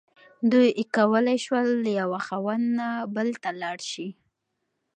دوی کولی شول له یوه خاوند نه بل ته لاړ شي.